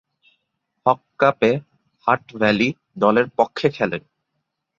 হক কাপে Hutt Valley দলের পক্ষে খেলেন।